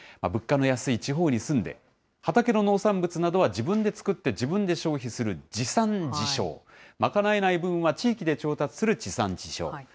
物価の安い地方に住んで、畑の農産物などは自分で作って自分で消費する自産自消、賄えない分は地域で調達する地産地消。